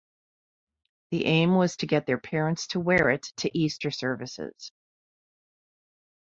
The aim was to get their parents to wear it to Easter services.